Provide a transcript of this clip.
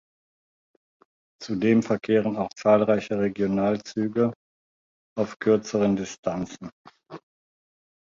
Zudem verkehren auch zahlreiche Regionalzüge auf kürzeren Distanzen.